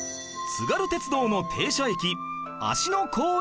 津軽鉄道の停車駅